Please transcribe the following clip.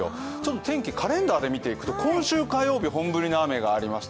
天気、カレンダーで見ていくと、今週火曜日本降りの雨がありました。